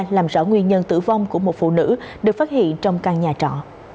làm rõ nguyên nhân tử vong của một phụ nữ được phát hiện trong căn nhà trọ